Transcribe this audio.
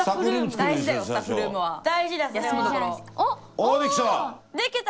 おできた！